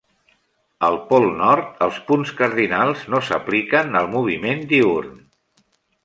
Al pol nord, els punts cardinals no s'apliquen al moviment diürn.